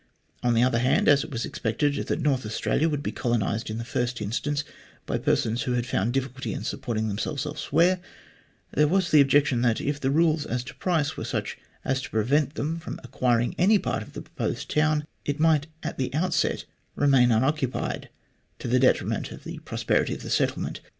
On the other hand, as it was expected that North Australia would be colonised, in the first instance, by persons who had found a difficulty in supporting themselves elsewhere, there was the objection that, if the rules as to price were such as to prevent them from acquiring any part of the proposed town, it might at the outset remain un occupied, to the detriment of the prosperity of the settlement.